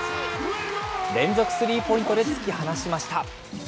連続スリーポイントで突き放しました。